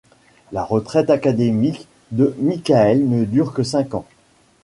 La retraite académique de Michael ne dure que cinq ans.